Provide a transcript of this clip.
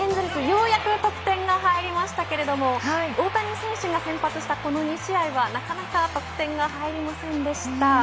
ようやく得点が入りましたけれども大谷選手が先発したこの２試合はなかなか得点が入りませんでした。